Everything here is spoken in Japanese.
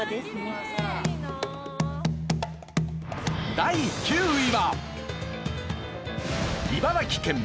第９位は。